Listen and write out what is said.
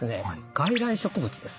外来植物です。